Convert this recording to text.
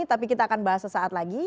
tapi kita akan bahas sesaat lagi